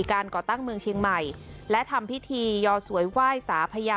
ก่อตั้งเมืองเชียงใหม่และทำพิธียอสวยไหว้สาพญา